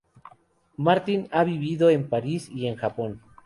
Martin ha vivido en París y en Japón.